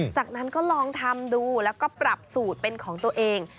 จากนั้นก็ลองทำดูแล้วก็ปรับสูตรเป็นของตัวเอง